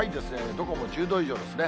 どこも１０度以上ですね。